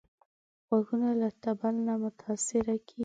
غوږونه له طبل نه متاثره کېږي